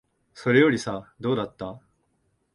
それよりさ、どうだった？